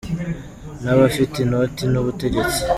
N’abafite inoti n’ubutegetsi